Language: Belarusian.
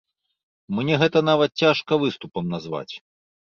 Мне гэта нават цяжка выступам назваць.